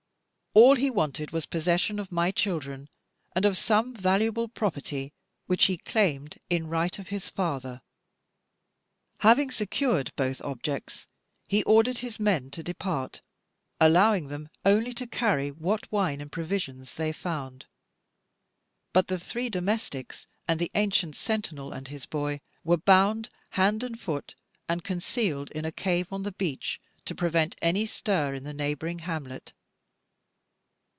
All he wanted was possession of my children, and of some valuable property which he claimed in right of his father. Having secured both objects, he ordered his men to depart, allowing them only to carry what wine and provisions they found. But the three domestics, and the ancient sentinel and his boy, were bound hand and foot, and concealed in a cave on the beach, to prevent any stir in the neighbouring hamlet.